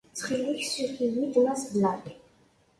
Ttxil-k, ssukk-iyi-d Mass Black.